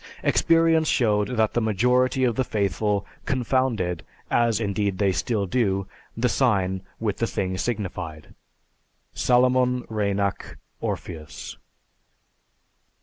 Experience showed that the majority of the faithful confounded (as indeed they still do) the sign with the thing signified." (_Salomon Reinach, "Orpheus."